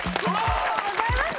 ありがとうございます。